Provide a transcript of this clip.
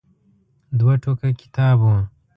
دوه ټوکه کتاب و.